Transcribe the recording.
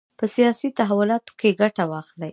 په سیاسي تحولاتو کې ګټه واخلي.